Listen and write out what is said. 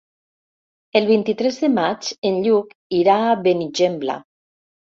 El vint-i-tres de maig en Lluc irà a Benigembla.